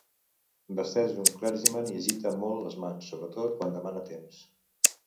Vesteix un clergyman i agita molt les mans, sobretot quan demana temps.